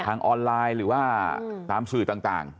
ทางออนไลน์หรือว่าตามสื่อต่าง